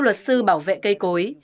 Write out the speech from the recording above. luật sư bảo vệ cây cối